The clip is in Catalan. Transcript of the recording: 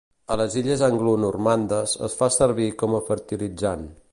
A les Illes anglonormandes es fa servir com a fertilitzant.